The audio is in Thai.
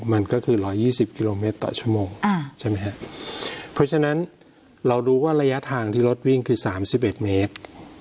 มันก็คือ๑๒๐กิโลเมตรต่อชั่วโมงใช่ไหมฮะเพราะฉะนั้นเรารู้ว่าระยะทางที่รถวิ่งคือ๓๑เมตร